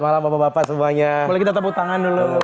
boleh kita tepuk tangan dulu